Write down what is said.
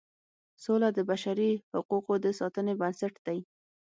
سوله د بشري حقوقو د ساتنې بنسټ دی.